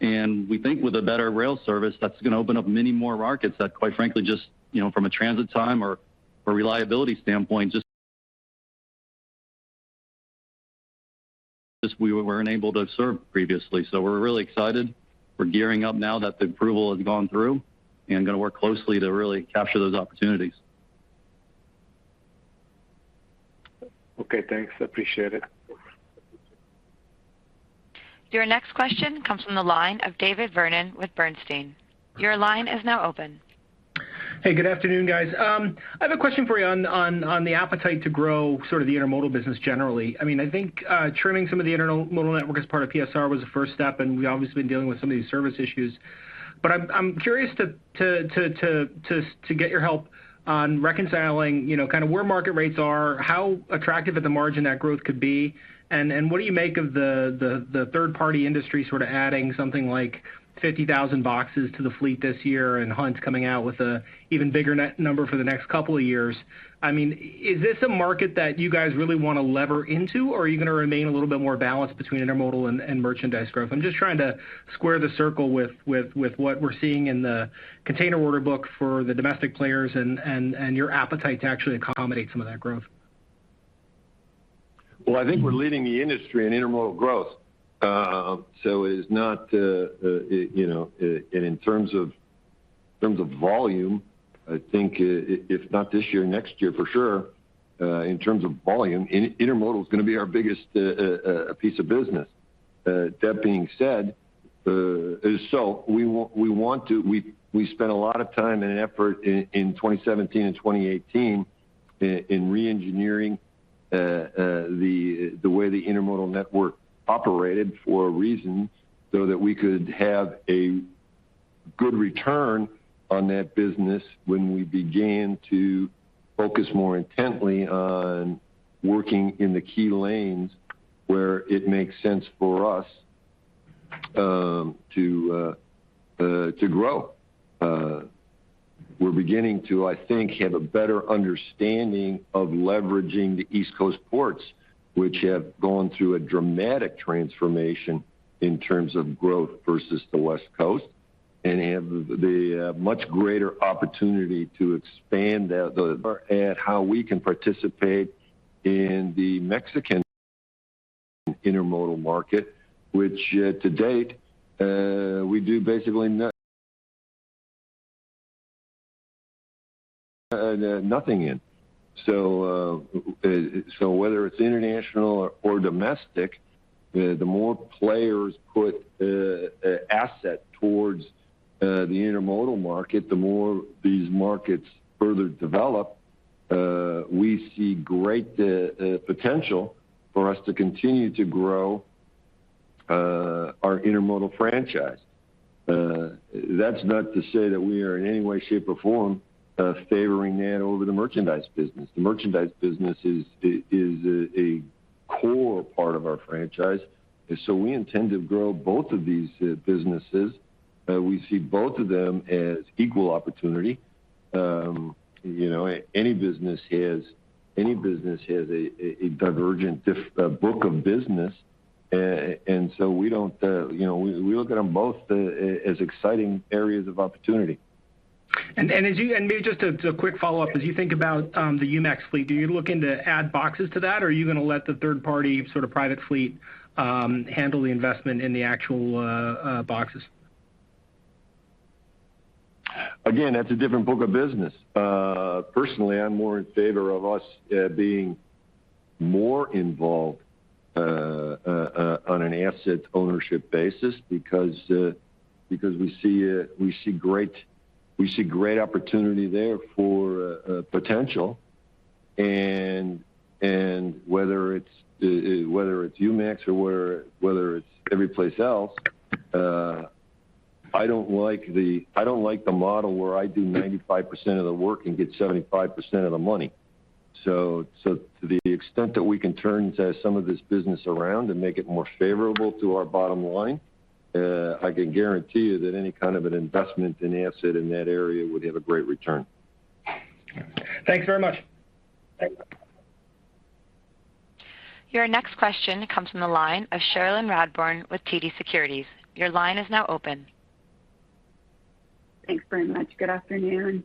We think with a better rail service, that's gonna open up many more markets that quite frankly, just you know, from a transit time or reliability standpoint, just we weren't able to serve previously. We're really excited. We're gearing up now that the approval has gone through and gonna work closely to really capture those opportunities. Okay, thanks. I appreciate it. Your next question comes from the line of David Vernon with Bernstein. Your line is now open. Hey, good afternoon, guys. I have a question for you on the appetite to grow sort of the intermodal business generally. I mean, I think trimming some of the intermodal network as part of PSR was the first step, and we obviously have been dealing with some of these service issues. I'm curious to get your help on reconciling, you know, kind of where market rates are, how attractive at the margin that growth could be, and what do you make of the third party industry sort of adding something like 50,000 boxes to the fleet this year, and Hunt's coming out with an even bigger net number for the next couple of years. I mean, is this a market that you guys really wanna lever into, or are you gonna remain a little bit more balanced between intermodal and merchandise growth? I'm just trying to square the circle with what we're seeing in the container order book for the domestic players and your appetite to actually accommodate some of that growth. Well, I think we're leading the industry in intermodal growth. So it's not, you know, in terms of volume, I think if not this year, next year for sure, in terms of volume, intermodal is gonna be our biggest piece of business. That being said, we spent a lot of time and effort in 2017 and 2018 in re-engineering the way the intermodal network operated for a reason, so that we could have a good return on that business when we began to focus more intently on working in the key lanes where it makes sense for us to grow. We're beginning to, I think, have a better understanding of leveraging the East Coast ports, which have gone through a dramatic transformation in terms of growth versus the West Coast. We have the much greater opportunity to expand that how we can participate in the Mexican intermodal market, which to date we do basically nothing in. So whether it's international or domestic, the more players put asset towards the intermodal market, the more these markets further develop, we see great potential for us to continue to grow our intermodal franchise. That's not to say that we are in any way, shape, or form favoring that over the merchandise business. The merchandise business is a core part of our franchise. We intend to grow both of these businesses. We see both of them as equal opportunity. You know, any business has a divergent book of business. We don't, you know, we look at them both as exciting areas of opportunity. Maybe just a quick follow-up. As you think about the UMAX fleet, do you look into add boxes to that, or are you gonna let the third party sort of private fleet handle the investment in the actual boxes? Again, that's a different book of business. Personally, I'm more in favor of us being more involved on an asset ownership basis because we see great opportunity there for potential. Whether it's UMAX or whether it's everyplace else, I don't like the model where I do 95% of the work and get 75% of the money. To the extent that we can turn some of this business around and make it more favorable to our bottom line, I can guarantee you that any kind of an investment in asset in that area would have a great return. Thanks very much. Your next question comes from the line of Cherilyn Radbourne with TD Securities. Your line is now open. Thanks very much. Good afternoon.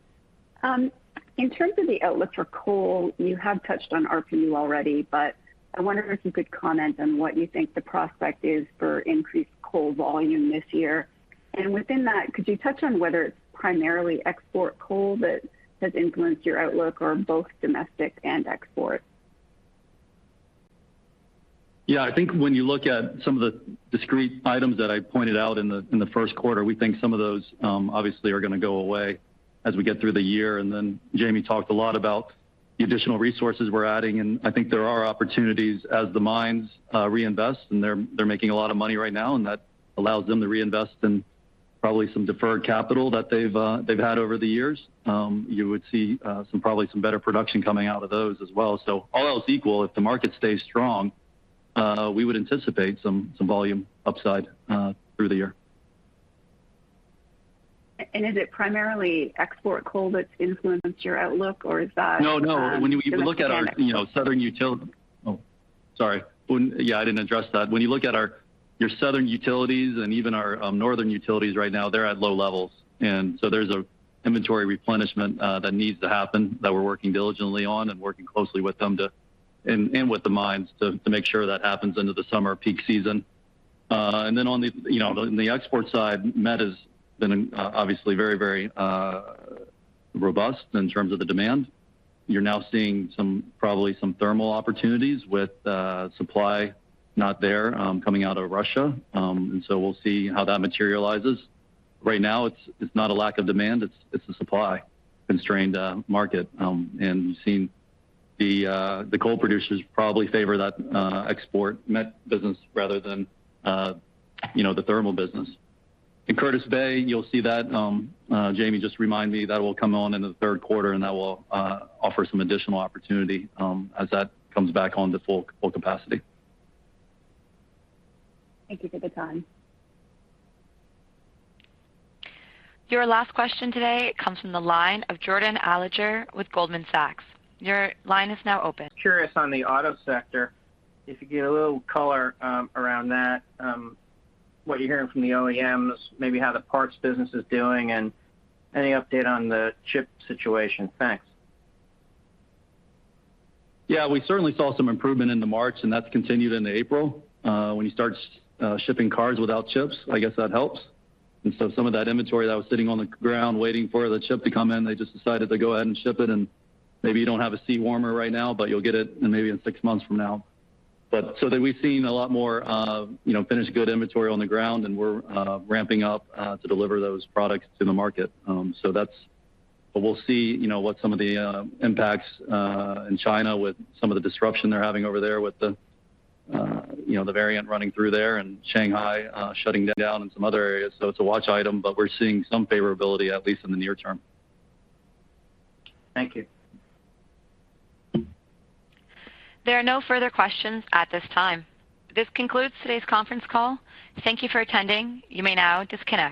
In terms of the outlook for coal, you have touched on RPU already, but I wonder if you could comment on what you think the prospect is for increased coal volume this year. Within that, could you touch on whether it's primarily export coal that has influenced your outlook or both domestic and export? Yeah. I think when you look at some of the discrete items that I pointed out in the first quarter, we think some of those obviously are gonna go away as we get through the year. Jamie talked a lot about the additional resources we're adding, and I think there are opportunities as the mines reinvest, and they're making a lot of money right now, and that allows them to reinvest in probably some deferred capital that they've had over the years. You would see some probably better production coming out of those as well. All else equal, if the market stays strong, we would anticipate some volume upside through the year. Is it primarily export coal that's influenced your outlook or is that? No, no. I didn't address that. When you look at our your Southern utilities and even our Northern utilities right now, they're at low levels. There's an inventory replenishment that needs to happen that we're working diligently on and working closely with them and with the mines to make sure that happens into the summer peak season. Then on the, you know, export side, met has been obviously very robust in terms of the demand. You're now seeing some probably some thermal opportunities with supply not there coming out of Russia. We'll see how that materializes. Right now it's not a lack of demand, it's a supply-constrained market. We've seen the coal producers probably favor that export met business rather than, you know, the thermal business. In Curtis Bay, you'll see that. Jamie just reminded me that will come on in the third quarter, and that will offer some additional opportunity as that comes back on to full capacity. Thank you for the time. Your last question today comes from the line of Jordan Alliger with Goldman Sachs. Your line is now open. Curious on the auto sector, if you could give a little color around that, what you're hearing from the OEMs, maybe how the parts business is doing, and any update on the chip situation? Thanks. Yeah. We certainly saw some improvement into March, and that's continued into April. When you start shipping cars without chips, I guess that helps. Some of that inventory that was sitting on the ground waiting for the chip to come in, they just decided to go ahead and ship it. Maybe you don't have a seat warmer right now, but you'll get it in maybe in six months from now. We've seen a lot more, you know, finished good inventory on the ground, and we're ramping up to deliver those products to the market. That's. We'll see, you know, what some of the impacts in China with some of the disruption they're having over there with the variant running through there and Shanghai shutting down in some other areas. It's a watch item, but we're seeing some favorability at least in the near term. Thank you. There are no further questions at this time. This concludes today's conference call. Thank you for attending. You may now disconnect.